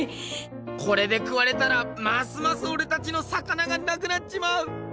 これで食われたらますますオレたちの魚がなくなっちまう！